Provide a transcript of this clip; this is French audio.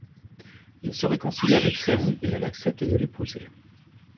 Il se réconcilie avec Sally et elle accepte de l'épouser.